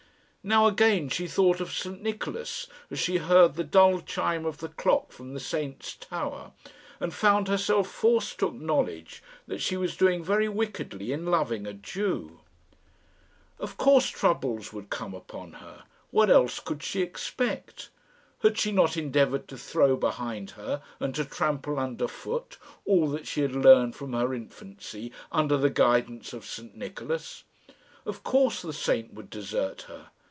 Now again she thought of St Nicholas, as she heard the dull chime of the clock from the saint's tower, and found herself forced to acknowledge that she was doing very wickedly in loving a Jew. Of course troubles would come upon her. What else could she expect? Had she not endeavoured to throw behind her and to trample under foot all that she had learned from her infancy under the guidance of St Nicholas? Of course the saint would desert her.